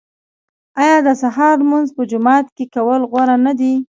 آیا د سهار لمونځ په جومات کې کول غوره نه دي؟